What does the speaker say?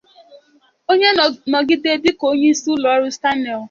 onye nọgodi dịka onyeisi ụlọọrụ Stanel